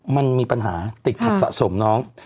มันมีปัญหาติดขัดสะสมน้อง